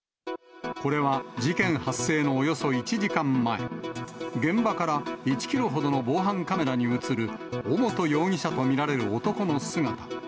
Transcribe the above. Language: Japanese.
これは事件発生のおよそ１時間前、現場から１キロほどの防犯カメラに写る、尾本容疑者と見られる男の姿。